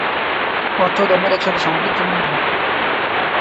অর্থ ও ধর্মের সাথে একসাথে, এটি সামগ্রিক জীবনের দিক।